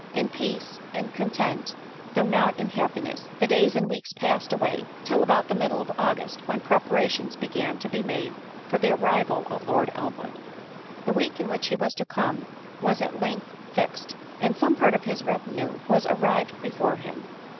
In peace, in content, though not in happiness, the days and weeks passed away till about the middle of August, when preparations began to be made for the arrival of Lord Elmwood. The week in which he was to come was at length fixed, and some part of his retinue was arrived before him.